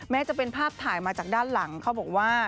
จะเป็นภาพถ่ายมาจากด้านหลังเขาบอกว่า